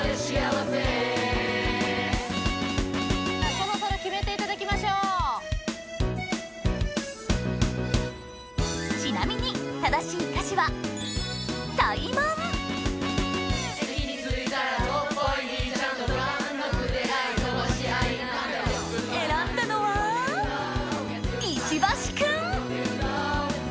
そろそろ決めていただきましょうちなみに正しい歌詞は選んだのは石橋君！